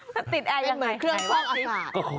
ถ้าติดแอร์ยังไงเป็นเหมือนเครื่องคลอกอาศาสตร์